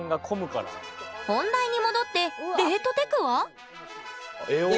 本題に戻ってデートテクは？